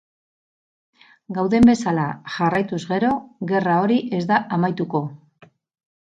Gauden bezala jarraituz gero, gerra hori ez da amaituko.